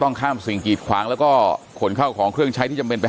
ข้ามสิ่งกีดขวางแล้วก็ขนเข้าของเครื่องใช้ที่จำเป็นไป